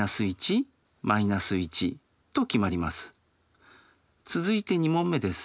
よって続いて２問目です。